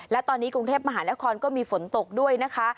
และตอนนี้กรุงเทพมหานครก็มีฝนตกด้วยนะคะ